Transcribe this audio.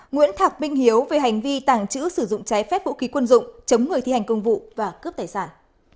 nguyễn thạc minh hiếu về hành vi tàng trữ sử dụng trái phép vũ khí quân dụng chống người thi hành công vụ và cướp tài sản